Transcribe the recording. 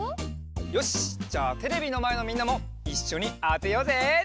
よしじゃあテレビのまえのみんなもいっしょにあてようぜ！